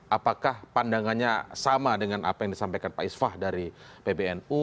apakah pandangannya sama dengan apa yang disampaikan pak isfah dari pbnu